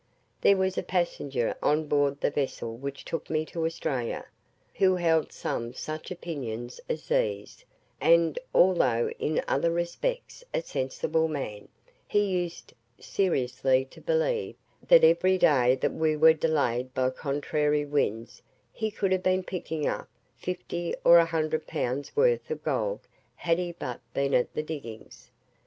There was a passenger on board the vessel which took me to Australia, who held some such opinions as these, and, although in other respects a sensible man, he used seriously to believe that every day that we were delayed by contrary winds he could have been picking up fifty or a hundred pounds worth of gold had he but been at the diggings.